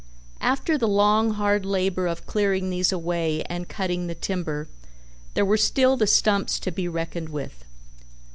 After the long hard labor of clearing these away and cutting the timber, there were still the stumps to be reckoned with.